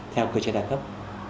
theo cơ chế đa cấp